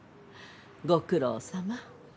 ご苦労さま。